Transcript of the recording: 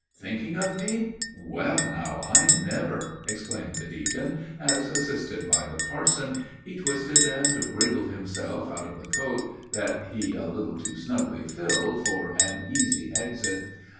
"Thinking of me! Well, now, I never!" exclaimed the deacon, as, assisted by the parson, he twisted and wriggled himself out of his coat, that he filled, a little too snugly for an easy exit.